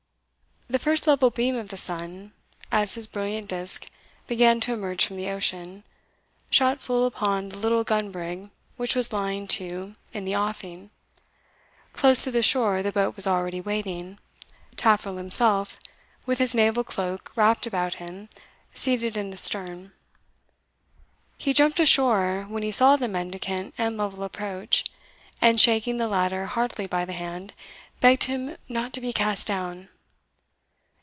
The first level beam of the sun, as his brilliant disk began to emerge from the ocean, shot full upon the little gun brig which was lying to in the offing close to the shore the boat was already waiting, Taffril himself, with his naval cloak wrapped about him, seated in the stern. He jumped ashore when he saw the mendicant and Lovel approach, and, shaking the latter heartily by the hand, begged him not to be cast down.